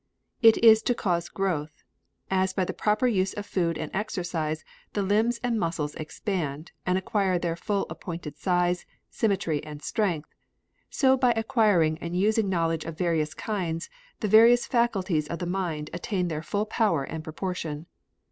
It is to cause growth. As by the proper use of food and exercise the limbs and muscles expand, and acquire their full and appointed size, symmetry, and strength, so by acquiring and using knowledge of various kinds, the various faculties of the mind attain their full power and proportion.